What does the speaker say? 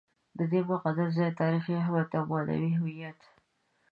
د دې مقدس ځای تاریخي اهمیت او معنوي هویت.